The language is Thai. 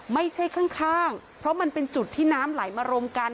ไม่ใช่ข้างเพราะมันเป็นจุดที่น้ำไหลมารวมกัน